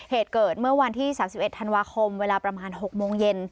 เหตุเกิดเมื่อวันที่๓๑ธันวาคมเวลาประมาณ๖โมงเย็น